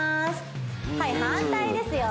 はい反対ですよ